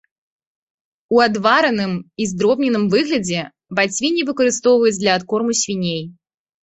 У адвараным і здробненым выглядзе бацвінне выкарыстоўваюць для адкорму свіней.